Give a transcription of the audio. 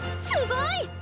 すごい！